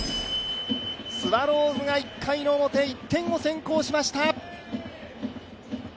スワローズが１回表、１点を先制しました。